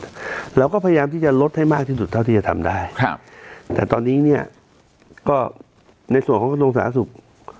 เราก็พยายามที่จะลดให้มากที่สุดเท่าที่จะทำได้ครับแต่ตอนนี้เนี่ยก็ในส่วนของกระทรวงสาธารณสุข